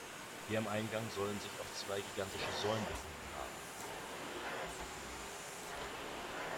Hier am Eingang sollen sich auch zwei gigantische Säulen befunden haben.